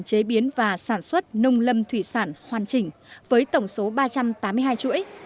chế biến và sản xuất nông lâm thủy sản hoàn chỉnh với tổng số ba trăm tám mươi hai chuỗi